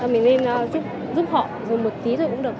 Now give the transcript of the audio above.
mình nên giúp họ dù một tí thôi cũng được